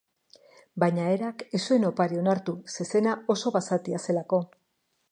Baina Herak ez zuen oparia onartu zezena oso basatia zelako.